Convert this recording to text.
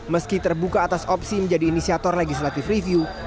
meski terbuka atas opsi menjadi inisiator legislative review